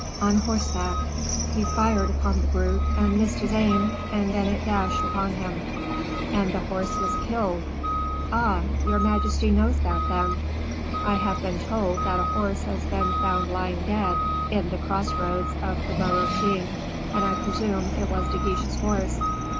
"On horseback. He fired upon the brute and missed his aim, and then it dashed upon him." "And the horse was killed." "Ah! your majesty knows that, then." "I have been told that a horse has been found lying dead in the cross roads of the Bois Rochin, and I presume it was De Guiche's horse."